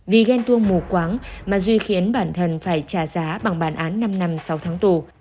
vì ghen tuông mù quáng mà duy khiến bản thân phải trả giá bằng bản án năm năm sáu tháng tù